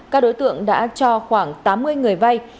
các đối tượng đã cho khoảng tám mươi người vay